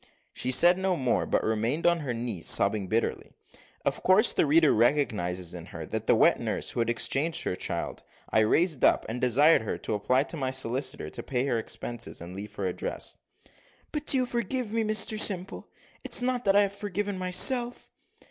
She said no more, but remained on her knees sobbing bitterly. Of course the reader recognises in her the wet nurse who had exchanged her child. I raised her up, and desired her to apply to my solicitor to pay her expenses, and leave her address. "But do you forgive me, Mr Simple? It's not that I have forgiven myself."